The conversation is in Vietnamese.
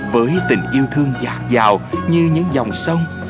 với tình yêu thương giặc dạo như những dòng sông